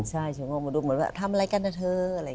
เฉยงอกมาดูเหมือนว่าทำอะไรกันนะเธอ